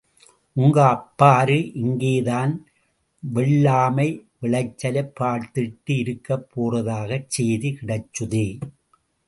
உங்க அப்பாரு இங்கேதான் வெள்ளாமை விளைச்சலைப் பார்த்துக்கிட்டு இருக்கப் போறதாகச் சேதி கிடைச்சுதே...?